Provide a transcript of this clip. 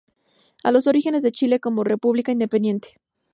A los orígenes de Chile como república independiente.